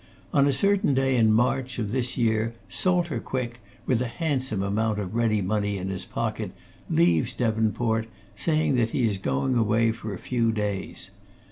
On a certain day in March of this year, Salter Quick, with a handsome amount of ready money in his pocket, leaves Devonport, saying that he is going away for a few days.